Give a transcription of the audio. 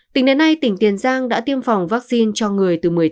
tỉnh đến nay tỉnh tiền giang đã tiêm phòng vaccine cho người từ một mươi tám